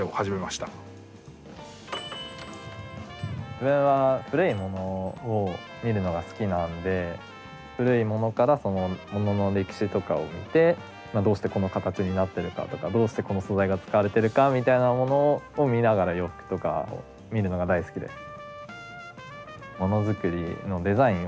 自分は古いものを見るのが好きなので古いものからものの歴史とかを見てどうしてこの形になってるかとかどうして、この素材が使われてるかみたいなものを見ながら洋服とか見るのが大好きです。